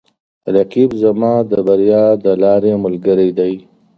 رقیب زما د بریا د لارې ملګری دی